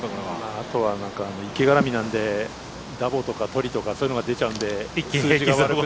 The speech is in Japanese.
あとは池絡みなんでダボとかトリとかそういうのが出ちゃうんで一気に。